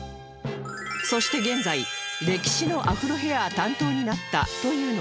そして現在レキシのアフロヘア担当になったというのです